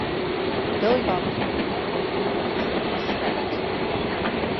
Billy Bob Thornton recorded narration that was scrapped.